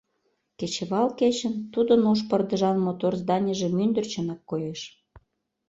Кечывал кечын тудын ош пырдыжан мотор зданийже мӱндырчынак коеш.